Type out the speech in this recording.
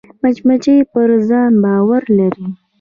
مچمچۍ پر ځان باور لري